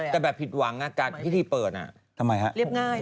แต่แบบผิดหวังกันพิธีเปิดนะเรียบง่าย